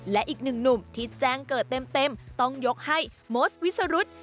และอีกหนึ่งหนุ่มที่แจ้งเกิดเต็มต้องยกให้โมสวิสรุธ